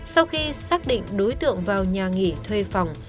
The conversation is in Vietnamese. sau khi xác định đối tượng vào nhà nghỉ thuê phòng